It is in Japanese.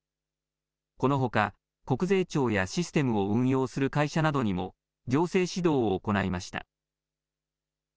このほか、国税庁やシステムを運用する会社などにも行政指導を行いました。